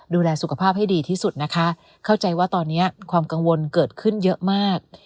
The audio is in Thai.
ดูแลสุขภาพให้ดีที่สุดนะคะเข้าใจว่าตอนนี้ความกังวลเกิดขึ้นเยอะมาก